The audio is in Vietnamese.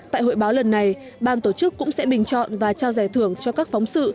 tại hội báo lần này ban tổ chức cũng sẽ bình chọn và trao giải thưởng cho các phóng sự